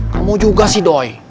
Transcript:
kamu juga si doi